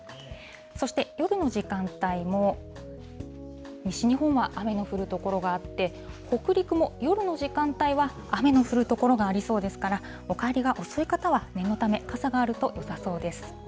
そして夜の時間帯も、西日本は雨の降る所があって、北陸も夜の時間帯は雨の降る所がありそうですから、お帰りが遅い方は念のため、傘があるとよさそうです。